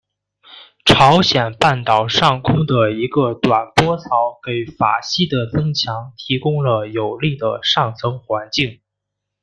朝鲜半岛上空的一个短波槽给法茜的增强提供了有利的上层环境。